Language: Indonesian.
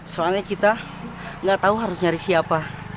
soalnya kita nggak tahu harus nyari siapa